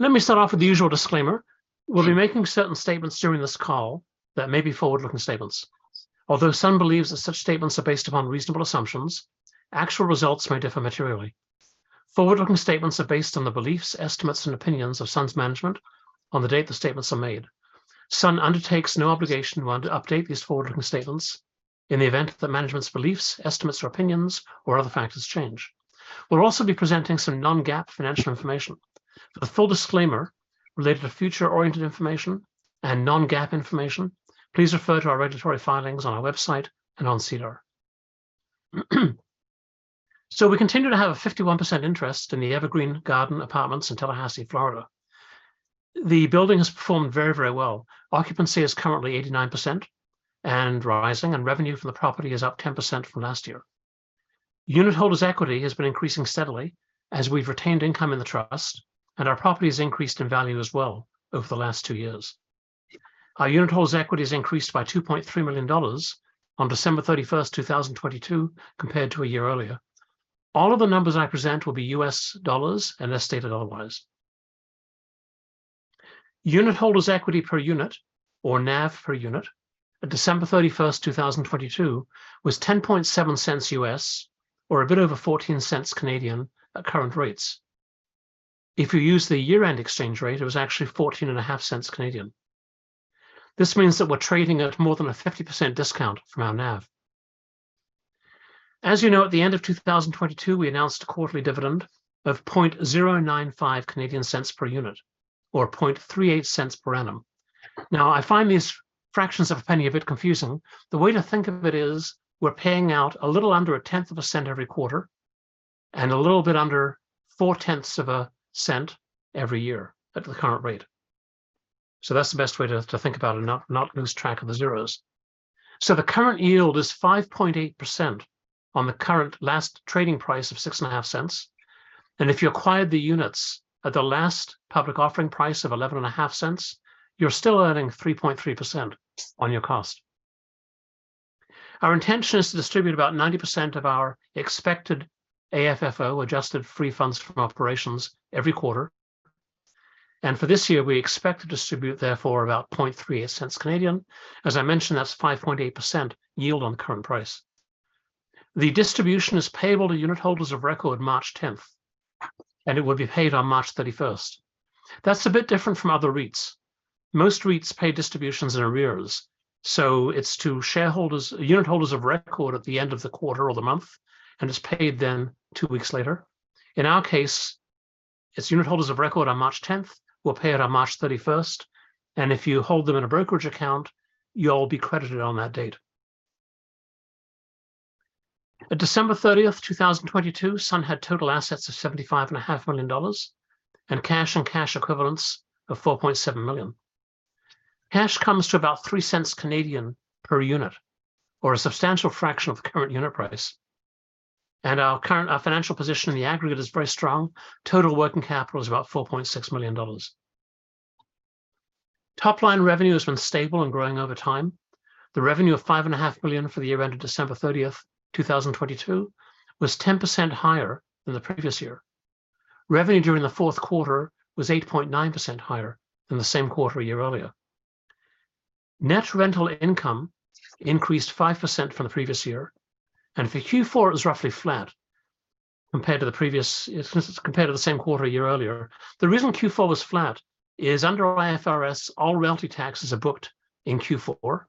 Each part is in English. Let me start off with the usual disclaimer. We'll be making certain statements during this call that may be forward-looking statements. Although Sun believes that such statements are based upon reasonable assumptions, actual results may differ materially. Forward-looking statements are based on the beliefs, estimates, and opinions of Sun's management on the date the statements are made. Sun undertakes no obligation, one, to update these forward-looking statements in the event that management's beliefs, estimates, or opinions or other factors change. We'll also be presenting some non-GAAP financial information. For the full disclaimer related to future-oriented information and non-GAAP information, please refer to our regulatory filings on our website and on SEDAR. We continue to have a 51% interest in the Evergreen at Southwood in Tallahassee, Florida. The building has performed very, very well. Occupancy is currently 89% and rising. Revenue for the property is up 10% from last year. Unitholders' equity has been increasing steadily as we've retained income in the Trust. Our property has increased in value as well over the last 2 years. Our unitholders' equity has increased by $2.3 million on December 31, 2022, compared to a year earlier. All of the numbers I present will be US dollars unless stated otherwise. Unitholders' equity per unit or NAV per unit at December 31, 2022, was $0.107 or a bit over 0.14 at current rates. If you use the year-end exchange rate, it was actually 0.145. This means that we're trading at more than a 50% discount from our NAV. As you know, at the end of 2022, we announced a quarterly dividend of 0.095 per unit or 0.38 per annum. I find these fractions of a penny a bit confusing. The way to think of it is we're paying out a little under a tenth of a cent every quarter and a little bit under four-tenths of a cent every year at the current rate. That's the best way to think about it and not lose track of the zeros. The current yield is 5.8% on the current last trading price of six and a half cents. If you acquired the units at the last public offering price of eleven and a half cents, you're still earning 3.3% on your cost. Our intention is to distribute about 90% of our expected AFFO, adjusted free funds from operations, every quarter. For this year, we expect to distribute therefore about 0.0038. As I mentioned, that's 5.8% yield on current price. The distribution is payable to unitholders of record March 10th, and it will be paid on March 31st. That's a bit different from other REITs. Most REITs pay distributions in arrears, so it's to unitholders of record at the end of the quarter or the month, and it's paid then two weeks later. In our case, it's unitholders of record on March 10th, we'll pay it on March 31st. If you hold them in a brokerage account, you'll be credited on that date. At December 30, 2022, Sun had total assets of $75.5 million and cash and cash equivalents of $4.7 million. Cash comes to about 0.03 per unit or a substantial fraction of the current unit price. Our financial position in the aggregate is very strong. Total working capital is about $4.6 million. Top line revenue has been stable and growing over time. The revenue of $5.5 million for the year ended December 30, 2022, was 10% higher than the previous year. Revenue during the fourth quarter was 8.9% higher than the same quarter a year earlier. Net rental income increased 5% from the previous year. For Q4, it was roughly flat compared to the same quarter a year earlier. The reason Q4 was flat is under IFRS, all realty taxes are booked in Q4.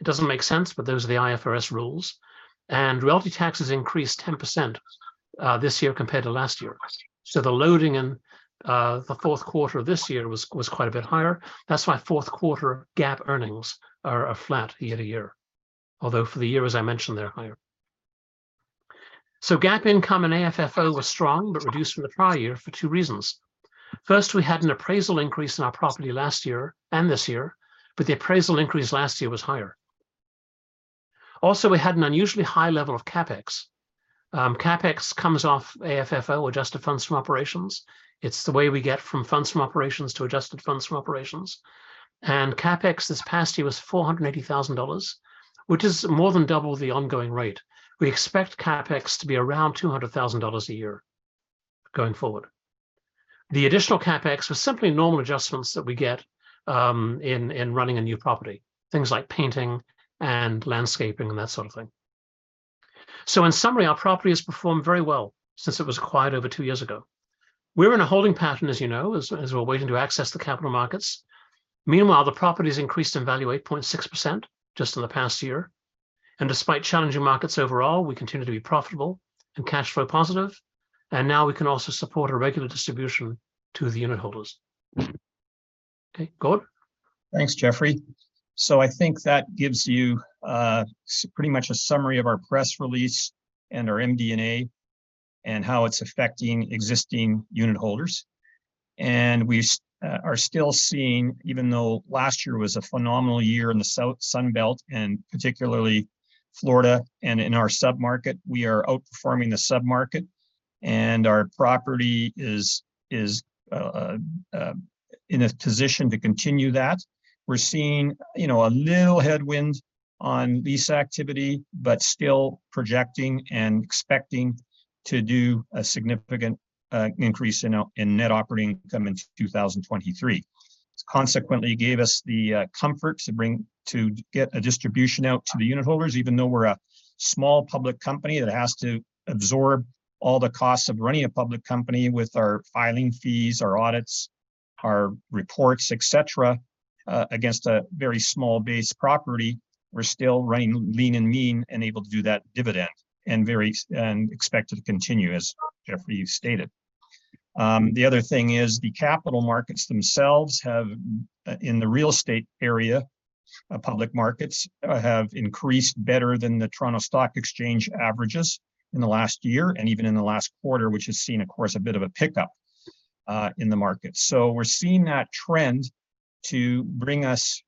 It doesn't make sense. Those are the IFRS rules. Realty taxes increased 10% this year compared to last year. The loading in the fourth quarter this year was quite a bit higher. That's why fourth quarter GAAP earnings are flat year-to-year. Although for the year, as I mentioned, they're higher. GAAP income and AFFO were strong but reduced from the prior year for 2 reasons. First, we had an appraisal increase in our property last year and this year. The appraisal increase last year was higher. We had an unusually high level of CapEx. CapEx comes off AFFO, adjusted funds from operations. It's the way we get from funds from operations to adjusted funds from operations. CapEx this past year was $480,000, which is more than double the ongoing rate. We expect CapEx to be around $200,000 a year going forward. The additional CapEx was simply normal adjustments that we get in running a new property, things like painting and landscaping and that sort of thing. In summary, our property has performed very well since it was acquired over two years ago. We're in a holding pattern, as you know, as we're waiting to access the capital markets. Meanwhile, the property's increased in value 8.6% just in the past year. Despite challenging markets overall, we continue to be profitable and cash flow positive, and now we can also support a regular distribution to the unitholders. Okay. Gordon? Thanks, Jeffrey. I think that gives you pretty much a summary of our press release and our MD&A and how it's affecting existing unitholders. We are still seeing, even though last year was a phenomenal year in the Sun Belt and particularly Florida and in our sub-market, we are outperforming the sub-market, and our property is in a position to continue that. We're seeing, you know, a little headwind on lease activity, but still projecting and expecting to do a significant increase in Net Operating Income in 2023. It's consequently gave us the comfort to get a distribution out to the unitholders, even though we're a small public company that has to absorb all the costs of running a public company with our filing fees, our audits, our reports, et cetera, against a very small base property, we're still running lean and mean and able to do that dividend, and expect it to continue as Jeffrey stated. The other thing is the capital markets themselves have in the real estate area, public markets have increased better than the Toronto Stock Exchange averages in the last year and even in the last quarter, which has seen, of course, a bit of a pickup in the market. We're seeing that trend to bring us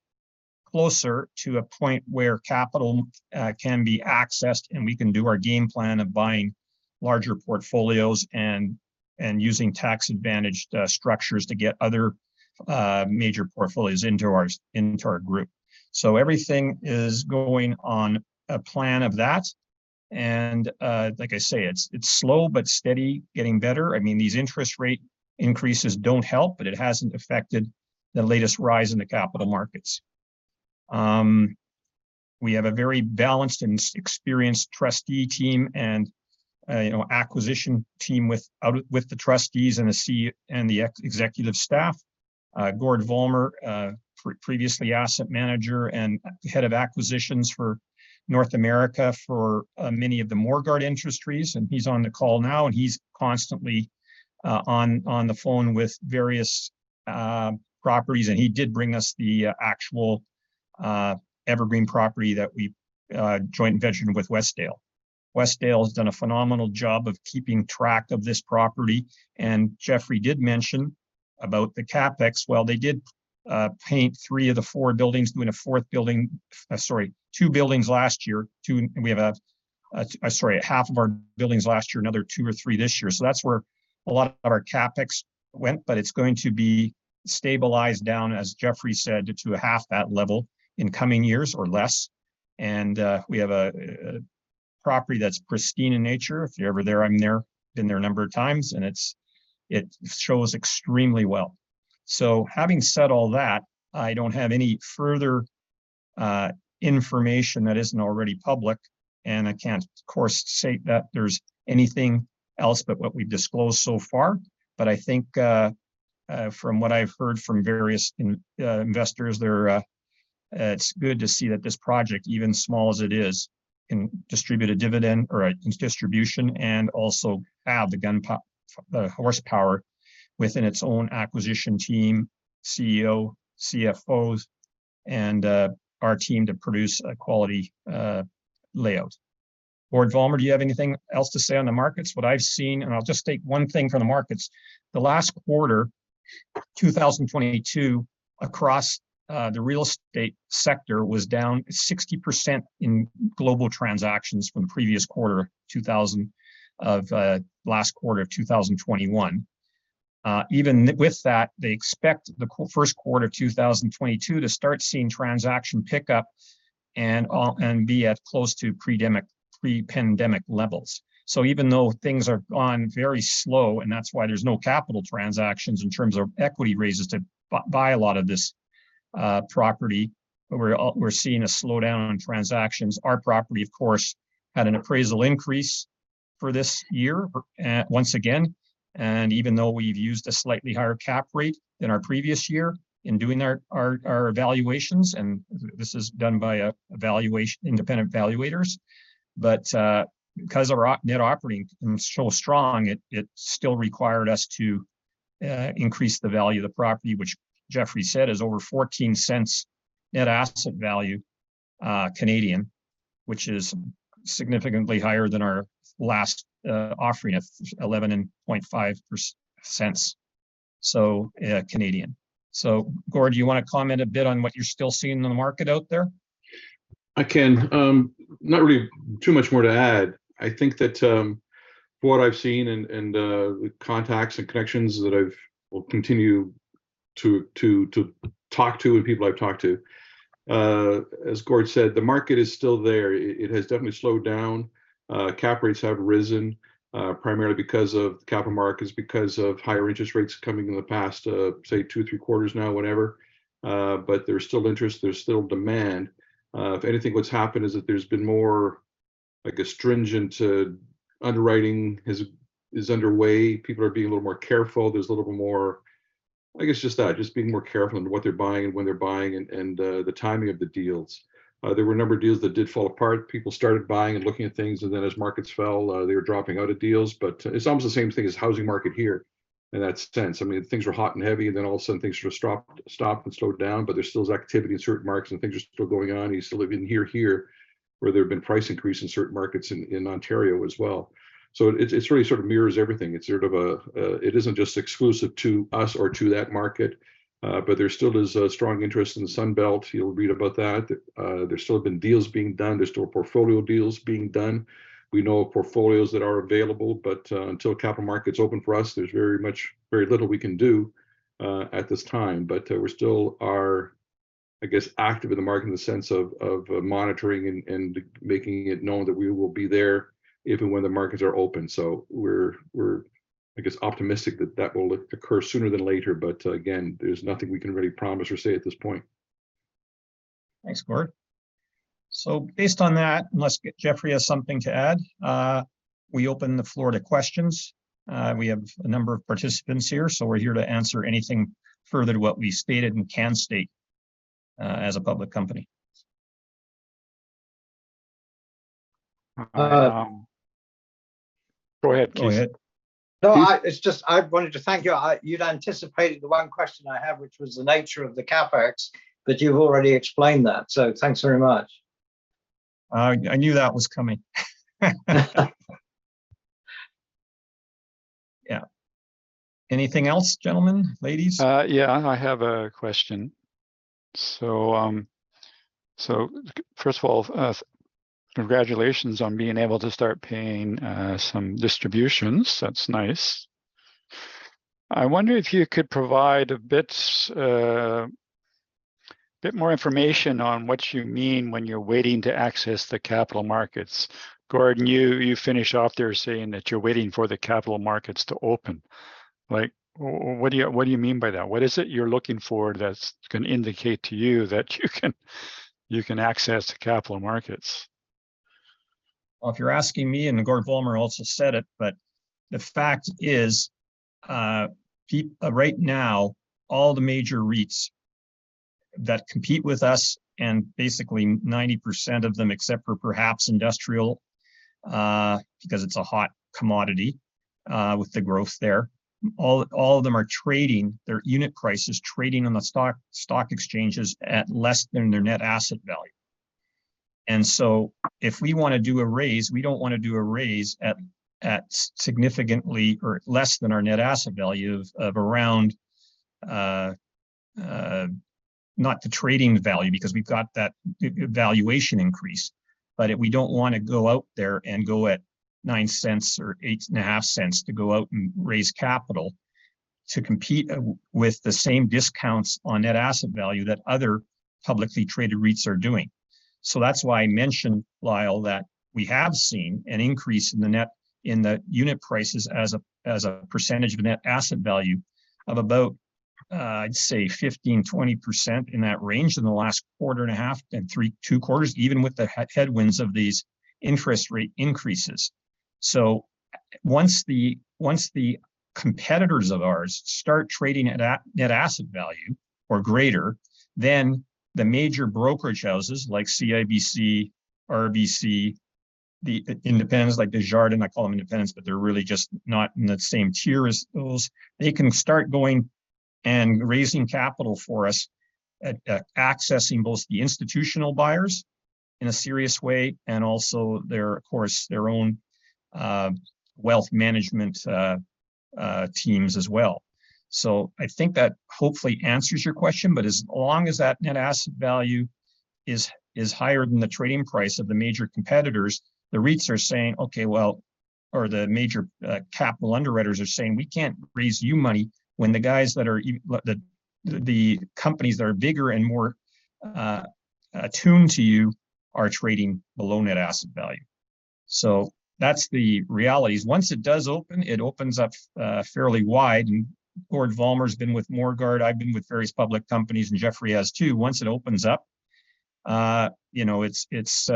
closer to a point where capital can be accessed, and we can do our game plan of buying larger portfolios and using tax-advantaged structures to get other major portfolios into our group. Everything is going on a plan of that and, like I say, it's slow but steady getting better. I mean, these interest rate increases don't help, but it hasn't affected the latest rise in the capital markets. We have a very balanced and experienced Trustee team and, you know, acquisition team with the Trustees and the executive staff. Gord Vollmer, previously Asset Manager and Head of Acquisitions for North America for many of the Morguard Industries, he's on the call now, and he's constantly on the phone with various properties. He did bring us the actual Evergreen property that we joint ventured with Westdale. Westdale has done a phenomenal job of keeping track of this property. Jeffrey did mention about the CapEx. Well, they did paint three of the four buildings. Doing a fourth building. Sorry, two buildings last year. Two. We have, sorry, half of our buildings last year, another two or three this year. That's where a lot of our CapEx went, but it's going to be stabilized down, as Jeffrey said, to half that level in coming years or less. We have a property that's pristine in nature. If you're ever there, I'm there, been there a number of times, and it shows extremely well. Having said all that, I don't have any further information that isn't already public, and I can't, of course, state that there's anything else but what we've disclosed so far. I think, from what I've heard from various investors, they're, it's good to see that this project, even small as it is, can distribute a dividend or a distribution and also have the horsepower within its own acquisition team, CEO, CFOs, and our team to produce a quality, layout. Gord Vollmer, do you have anything else to say on the markets? What I've seen, and I'll just state one thing for the markets. The last quarter, 2022, across the real estate sector, was down 60% in global transactions from the previous quarter, last quarter of 2021. Even with that, they expect the first quarter of 2022 to start seeing transaction pickup and be at close to pre-pandemic levels. Even though things are gone very slow, and that's why there's no capital transactions in terms of equity raises to buy a lot of this property, but we're seeing a slowdown in transactions. Our property, of course, had an appraisal increase for this year, once again, and even though we've used a slightly higher cap rate than our previous year in doing our, our evaluations, and this is done by independent evaluators. because our net operating is so strong, it still required us to increase the value of the property, which Jeffrey said is over 0.14 net asset value, which is significantly higher than our last offering of 0.115. Gord, do you wanna comment a bit on what you're still seeing in the market out there? I can. Not really too much more to add. I think that, from what I've seen and, the contacts and connections that I will continue to talk to and people I've talked to, as Gord said, the market is still there. It has definitely slowed down. Cap rates have risen, primarily because of the capital markets, because of higher interest rates coming in the past, say two, three quarters now, whatever. There's still interest, there's still demand. If anything, what's happened is that there's been more, like a stringent, underwriting is underway. People are being a little more careful. There's a little more just being more careful in what they're buying and when they're buying and, the timing of the deals. There were a number of deals that did fall apart. People started buying and looking at things, and then as markets fell, they were dropping out of deals. It's almost the same thing as housing market here in that sense. I mean, things were hot and heavy, and then all of a sudden things just dropped, stopped and slowed down, but there's still activity in certain markets, and things are still going on. You still live in hear where there have been price increase in certain markets in Ontario as well. It sort of mirrors everything. It's sort of a. It isn't just exclusive to us or to that market, but there still is a strong interest in the Sun Belt. You'll read about that. There's still been deals being done. There's still portfolio deals being done. We know of portfolios that are available, but until capital markets open for us, there's very little we can do at this time. We're still I guess, active in the market in the sense of monitoring and making it known that we will be there if and when the markets are open. We're, I guess, optimistic that that will occur sooner than later. Again, there's nothing we can really promise or say at this point. Thanks, Gordon. Based on that, unless Jeffrey has something to add, we open the floor to questions. We have a number of participants here, so we're here to answer anything further to what we stated and can state as a public company. Um- Go ahead, Keith. Go ahead. No, it's just I wanted to thank you. You'd anticipated the one question I have, which was the nature of the CapEx, but you've already explained that. Thanks very much. I knew that was coming. Yeah. Anything else, gentlemen, ladies? Yeah, I have a question. First of all, congratulations on being able to start paying some distributions. That's nice. I wonder if you could provide a bit more information on what you mean when you're waiting to access the capital markets. Gordon, you finish off there saying that you're waiting for the capital markets to open. Like, what do you mean by that? What is it you're looking for that's gonna indicate to you that you can access the capital markets? Well, if you're asking me, and Gordon Vollmer also said it, but the fact is, right now, all the major REITs that compete with us and basically 90% of them, except for perhaps industrial, because it's a hot commodity, with the growth there, all of them are trading. Their unit price is trading on the stock exchanges at less than their net asset value. If we wanna do a raise, we don't wanna do a raise at significantly or less than our net asset value of around not the trading value, because we've got that valuation increase, but we don't wanna go out there and go at $0.09 or $0.085 to go out and raise capital to compete with the same discounts on net asset value that other publicly traded REITs are doing. That's why I mentioned, Lyle, that we have seen an increase in the unit prices as a percentage of net asset value of about I'd say 15%-20% in that range in the last quarter and a half and three, two quarters, even with the headwinds of these interest rate increases. Once the competitors of ours start trading at asset value or greater, then the major brokerage houses like CIBC, RBC, the independents like Desjardins, I call them independents, but they're really just not in the same tier as those, they can start going and raising capital for us at accessing both the institutional buyers in a serious way and also their, of course, their own wealth management teams as well. I think that hopefully answers your question. As long as that net asset value is higher than the trading price of the major competitors, the REITs are saying, "Okay, well." The major capital underwriters are saying, "We can't raise you money when the companies that are bigger and more attuned to you are trading below net asset value." That's the realities. Once it does open, it opens up fairly wide. Gordon Vollmer's been with Morguard, I've been with various public companies, and Jeffrey has too. Once it opens up, you know, it's,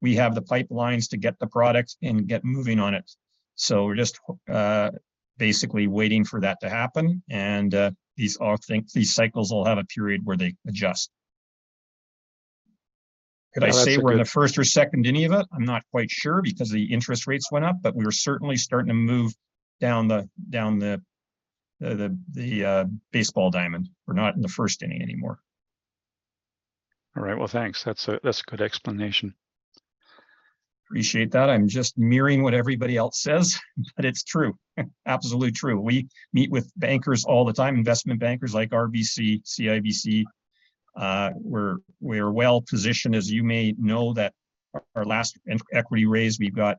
we have the pipelines to get the product and get moving on it. We're just basically waiting for that to happen. These all things, these cycles all have a period where they adjust. Could I ask a quick- I'd say we're in the first or second inning of it. I'm not quite sure because the interest rates went up, but we are certainly starting to move down the baseball diamond. We're not in the first inning anymore. All right. Well, thanks. That's a good explanation. Appreciate that. I'm just mirroring what everybody else says, but it's true. Absolutely true. We meet with bankers all the time, investment bankers like RBC, CIBC. We're well-positioned, as you may know, that our last equity raise, we've got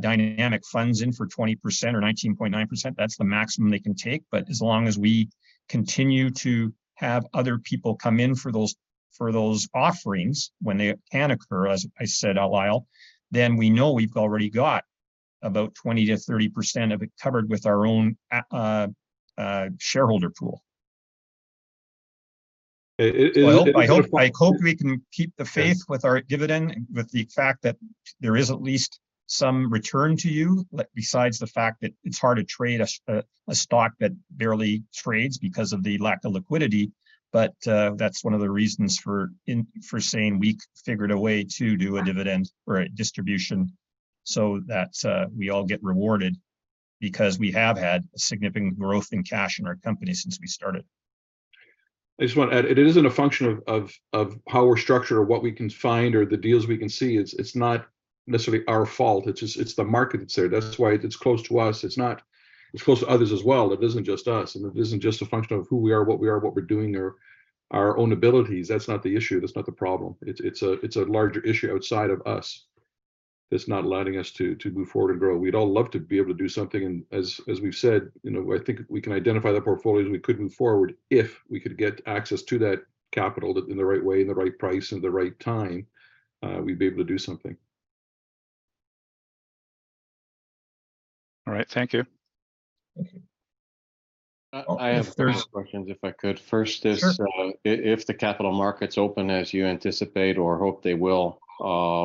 Dynamic Funds in for 20% or 19.9%. That's the maximum they can take. As long as we continue to have other people come in for those offerings when they can occur, as I said, Lyle, then we know we've already got about 20%-30% of it covered with our own shareholder pool. It, it, it- Well, I hope we can keep the faith with our dividend, with the fact that there is at least some return to you, besides the fact that it's hard to trade a stock that barely trades because of the lack of liquidity. That's one of the reasons for saying we figured a way to do a dividend or a distribution so that we all get rewarded because we have had significant growth in cash in our company since we started. I just want to add, it isn't a function of how we're structured or what we can find or the deals we can see. It's not necessarily our fault. It's just, it's the market that's there. That's why it's close to us. It's close to others as well. It isn't just us, and it isn't just a function of who we are, what we are, what we're doing, or our own abilities. That's not the issue. That's not the problem. It's a larger issue outside of us. It's not allowing us to move forward and grow. We'd all love to be able to do something as we've said, you know, I think if we can identify the portfolios, we could move forward if we could get access to that capital in the right way and the right price and the right time, we'd be able to do something. All right, thank you. Thank you. I have three questions, if I could. Sure. First is, if the capital markets open as you anticipate or hope they will,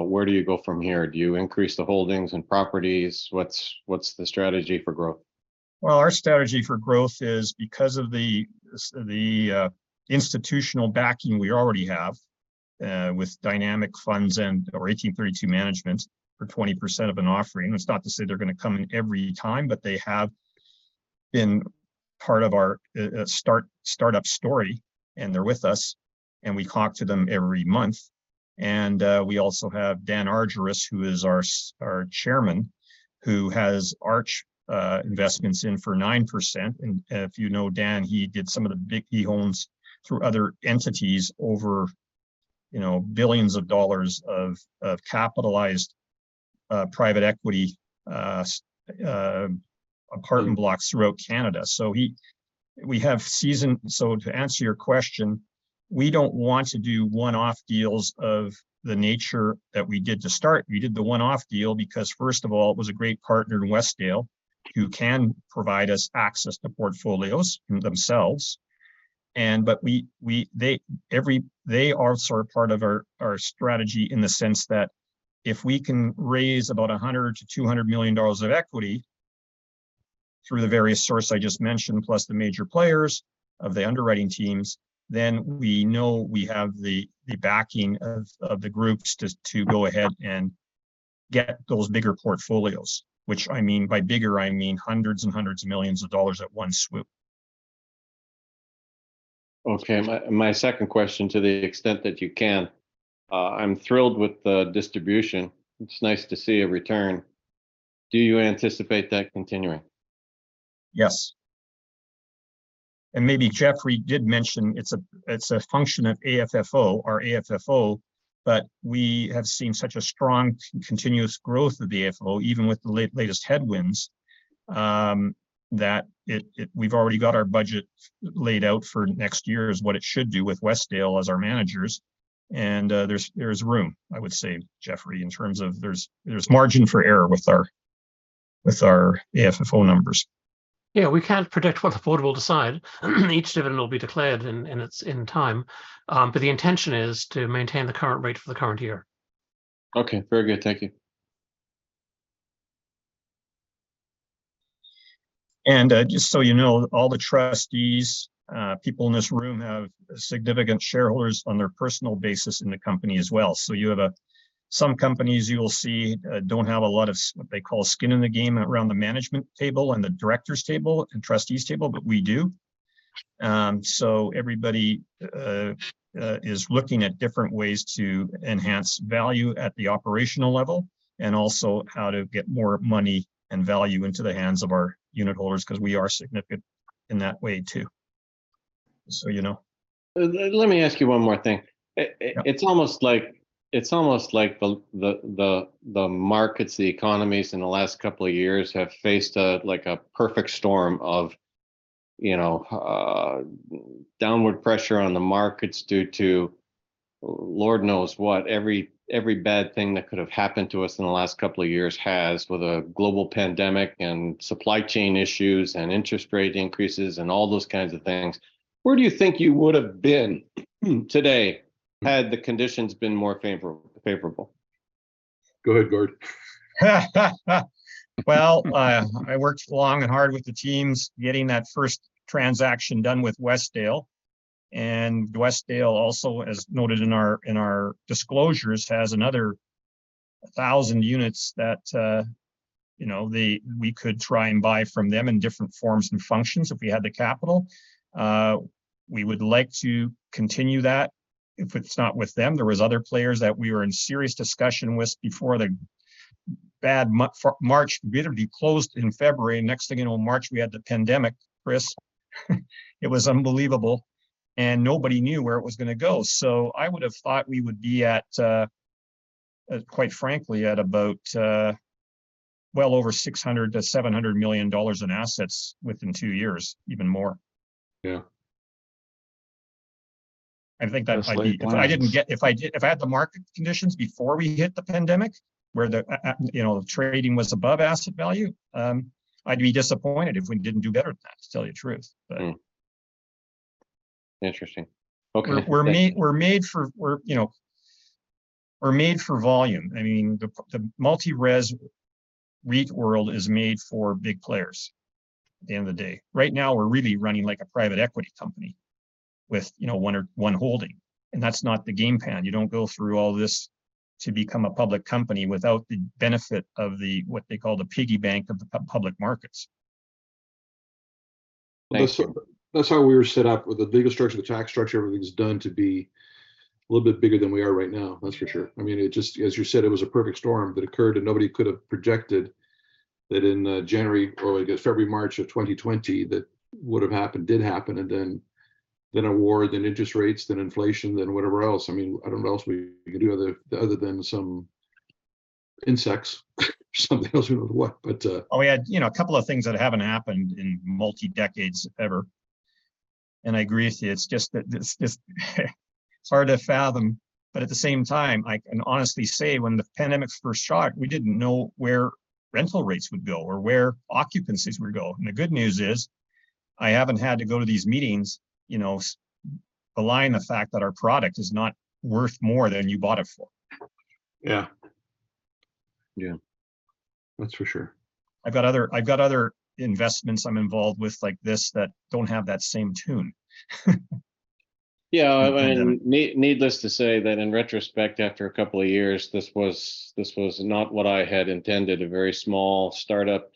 where do you go from here? Do you increase the holdings and properties? What's the strategy for growth? Our strategy for growth is because of the institutional backing we already have with Dynamic Funds and/or 1832 Management for 20% of an offering. It's not to say they're gonna come in every time, but they have been part of our startup story, and they're with us, and we talk to them every month. We also have Dan Argiros, who is our chairman, who has Arch investments in for 9%. If you know Dan, he did some of the big, he owns through other entities over, you know, billions of dollars of capitalized private equity apartment blocks throughout Canada. We have seasoned... To answer your question, we don't want to do one-off deals of the nature that we did to start. We did the one-off deal because first of all, it was a great partner in Westdale who can provide us access to portfolios themselves. But we, they are sort of part of our strategy in the sense that if we can raise about $100 million-$200 million of equity through the various source I just mentioned, plus the major players of the underwriting teams, then we know we have the backing of the groups to go ahead and get those bigger portfolios which I mean, by bigger, I mean hundreds of millions of dollars at one swoop. Okay. My second question to the extent that you can, I'm thrilled with the distribution. It's nice to see a return. Do you anticipate that continuing? Yes. maybe Jeffrey did mention it's a function of AFFO, our AFFO. We have seen such a strong continuous growth of the AFFO even with the latest headwinds, that we've already got our budget laid out for next year is what it should do with Westdale as our managers. There's room, I would say, Jeffrey, in terms of there's margin for error with our AFFO numbers. Yeah. We can't predict what the board will decide. Each dividend will be declared in its time. The intention is to maintain the current rate for the current year. Okay. Very good. Thank you. Just so you know, all the Trustees, people in this room have significant shareholders on their personal basis in the company as well. You have some companies you'll see, don't have a lot of what they call skin in the game around the management table and the directors table and Trustees table, but we do. Everybody is looking at different ways to enhance value at the operational level and also how to get more money and value into the hands of our unit holders because we are significant in that way too. You know. let me ask you one more thing. Yeah. It's almost like, it's almost like the markets, the economies in the last couple of years have faced a, like a perfect storm of, you know, downward pressure on the markets due to Lord knows what. Every bad thing that could have happened to us in the last couple of years has with a global pandemic and supply chain issues and interest rate increases and all those kinds of things. Where do you think you would have been today had the conditions been more favorable? Go ahead, Gord. Well, I worked long and hard with the teams getting that first transaction done with Westdale. Westdale also, as noted in our disclosures, has another 1,000 units that, you know, we could try and buy from them in different forms and functions if we had the capital. We would like to continue that if it's not with them. There was other players that we were in serious discussion with before the bad March. We literally closed in February. Next thing you know, March, we had the pandemic, Chris. It was unbelievable, and nobody knew where it was gonna go. I would have thought we would be at, quite frankly, at about well over $600 million-$700 million in assets within 2 years, even more. Yeah. I think that if I didn't. Just late bloomers.... if I did, if I had the market conditions before we hit the pandemic where the, you know, trading was above asset value, I'd be disappointed if we didn't do better than that, to tell you the truth. Hmm. Interesting. Okay. We're made for volume. I mean, the multi-res REIT world is made for big players at the end of the day. Right now, we're really running like a private equity company with, you know, one holding, and that's not the game plan. You don't go through all this to become a public company without the benefit of the, what they call the piggy bank of the public markets. Thank you. That's how we were set up with the legal structure, the tax structure, everything's done to be a little bit bigger than we are right now. That's for sure. I mean, it just, as you said, it was a perfect storm that occurred and nobody could have projected that in January or I guess February, March of 2020 that would've happened, did happen, and then a war, then interest rates, then inflation, then whatever else. I mean, I don't know what else we could do other than some insects. Something else, who knows what. Well, we had, you know, a couple of things that haven't happened in multi decades ever, and I agree with you. It's just that it's hard to fathom, but at the same time, I can honestly say when the pandemic first struck, we didn't know where rental rates would go or where occupancies would go. The good news is I haven't had to go to these meetings, you know, belying the fact that our product is not worth more than you bought it for. Yeah. Yeah. That's for sure. I've got other investments I'm involved with like this that don't have that same tune. Yeah. I mean, needless to say, that in retrospect, after a couple of years, this was not what I had intended, a very small startup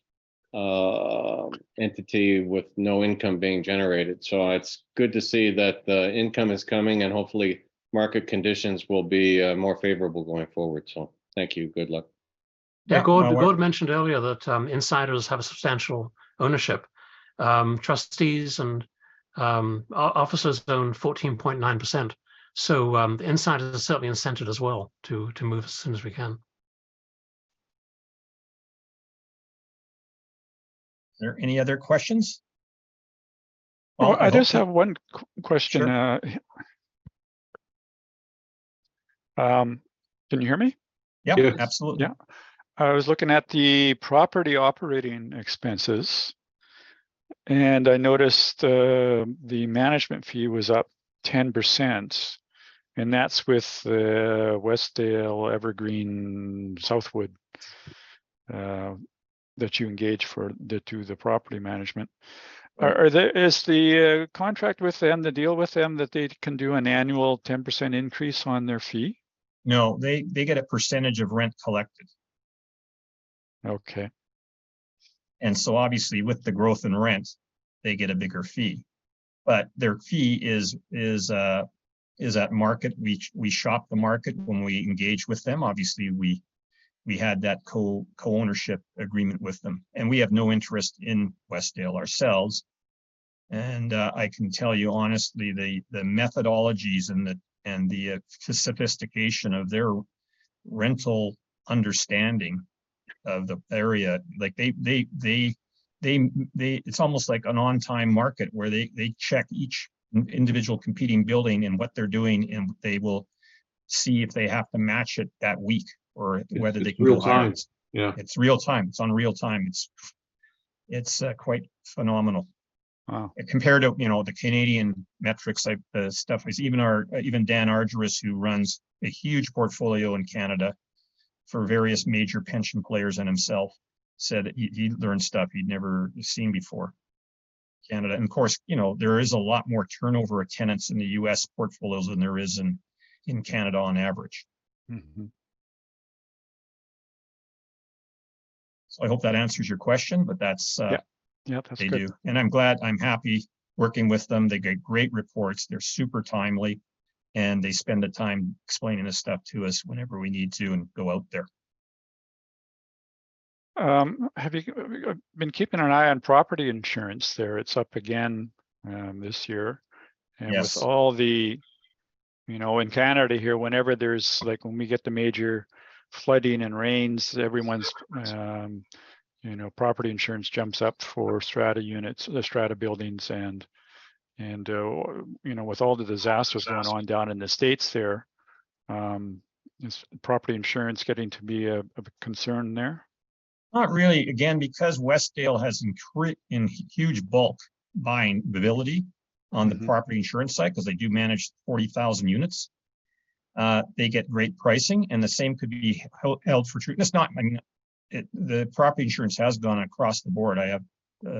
entity with no income being generated. It's good to see that the income is coming, and hopefully market conditions will be more favorable going forward. Thank you. Good luck. Yeah. Gord- Yeah. Gord mentioned earlier that insiders have a substantial ownership. Trustees and officers own 14.9%. The insiders are certainly incented as well to move as soon as we can. Are there any other questions? Well, I just have one question? Sure. Can you hear me? Yep. Yes. Absolutely. Yeah. I was looking at the property operating expenses, and I noticed the management fee was up 10%, and that's with Westdale, Evergreen, Southwood, that you engage for the, do the property management. Mm-hmm. Is the contract with them, the deal with them that they can do an annual 10% increase on their fee? No, they get a percentage of rent collected. Okay. Obviously with the growth in rent, they get a bigger fee. Their fee is at market. We shop the market when we engage with them. Obviously, we had that co-ownership agreement with them, and we have no interest in Westdale ourselves. I can tell you honestly, the methodologies and the sophistication of their rental understanding of the area, like they. It's almost like an on-time market where they check each individual competing building and what they're doing, and they will see if they have to match it that week or whether they can go live. It's real time. Yeah. It's real time. It's on real time. It's quite phenomenal. Wow. Compared to, you know, the Canadian metrics type, stuff. It's even our, even Dan Argiros, who runs a huge portfolio in Canada for various major pension players and himself said he learned stuff he'd never seen before Canada. Of course, you know, there is a lot more turnover of tenants in the U.S. portfolios than there is in Canada on average. Mm-hmm. I hope that answers your question, but that's. Yeah. Yep, that's good.... they do. I'm glad, I'm happy working with them. They get great reports. They're super timely, and they spend the time explaining the stuff to us whenever we need to and go out there. Have you been keeping an eye on property insurance there? It's up again, this year. Yes. With all the... You know, in Canada here, whenever there's like when we get the major flooding and rains, everyone's, you know, property insurance jumps up for strata units, the strata buildings and, you know, with all the disasters- Disasters going on down in the States there, is property insurance getting to be a concern there? Not really. Again, because Westdale has in huge bulk buying ability. Mm-hmm on the property insurance side, because they do manage 40,000 units, they get great pricing and the same could be held for true. That's not, I mean, it, the property insurance has gone across the board. I have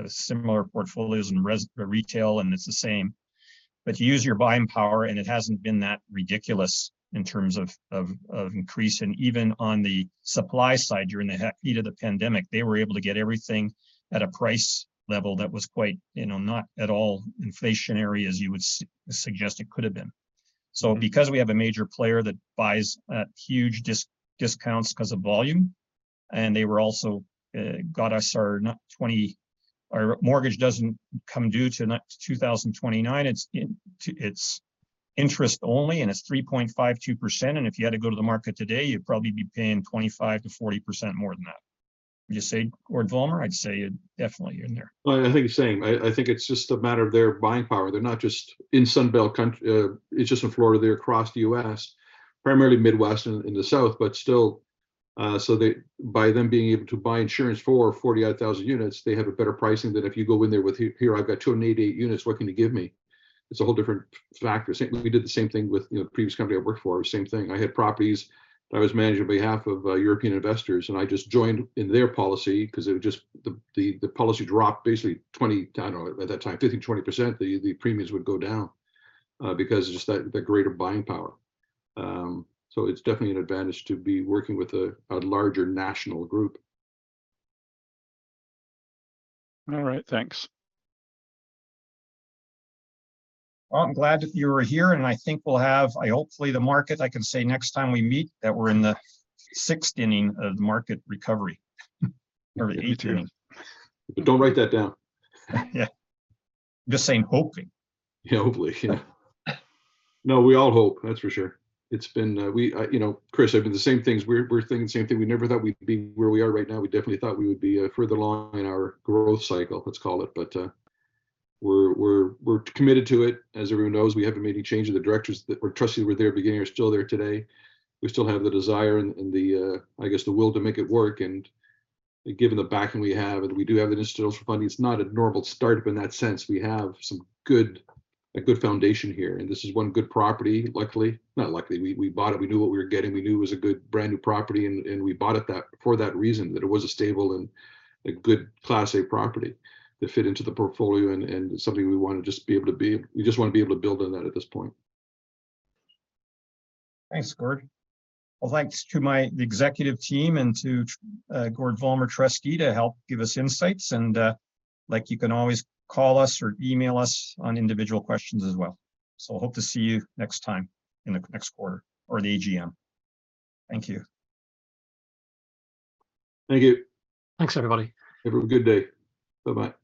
similar portfolios in res, retail and it's the same. You use your buying power, and it hasn't been that ridiculous in terms of increase. Even on the supply side, during the heat of the pandemic, they were able to get everything at a price level that was quite, you know, not at all inflationary as you would suggest it could have been. Mm-hmm. Because we have a major player that buys at huge discounts because of volume, and they were also got us our mortgage doesn't come due to 2029. It's in, it's interest only, and it's 3.52%. And if you had to go to the market today, you'd probably be paying 25%-40% more than that. Would you say, Gord Vollmer? I'd say definitely you're in there. I think the same. I think it's just a matter of their buying power. They're not just in Sunbelt, it's just in Florida. They're across the U.S., primarily Midwest and in the South, but still, so they, by them being able to buy insurance for 48,000 units, they have a better pricing than if you go in there with, "Here, I've got 288 units. What can you give me?" It's a whole different factor. Same, we did the same thing with, you know, previous company I worked for, same thing. I had properties that I was managing on behalf of European investors, and I just joined in their policy because it would just. The policy dropped basically 15%-20%. The premiums would go down because just that, the greater buying power. It's definitely an advantage to be working with a larger national group. All right. Thanks. Well, I'm glad you were here, and I think we'll have, I hopefully the market, I can say next time we meet that we're in the sixth inning of the market recovery or the eighth inning. Me too. Don't write that down. Yeah. I'm just saying hoping. Yeah, hopefully. No, we all hope, that's for sure. It's been, you know, Chris, I mean, the same things. We're thinking the same thing. We never thought we'd be where we are right now. We definitely thought we would be further along in our growth cycle, let's call it. We're committed to it. As everyone knows, we haven't made any changes. The directors that were Trustees were there at the beginning are still there today. We still have the desire and the, I guess the will to make it work. Given the backing we have, and we do have the institutional funding, it's not a normal startup in that sense. We have some good, a good foundation here, and this is one good property. Luckily... Not luckily, we bought it. We knew what we were getting. We knew it was a good brand-new property, and we bought it for that reason, that it was a stable and a good Class A property that fit into the portfolio and something we wanna just be able to be. We just wanna be able to build on that at this point. Thanks, Gord. Well, thanks to the executive team and to Gord Vollmer, Trustee, to help give us insights. like, you can always call us or email us on individual questions as well. I hope to see you next time in the next quarter or the AGM. Thank you. Thank you. Thanks, everybody. Have a good day. Bye-bye.